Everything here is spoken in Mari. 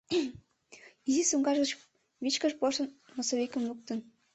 Изи сумкаж гыч вичкыж порсын носовикым луктын.